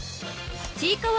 ［ちいかわ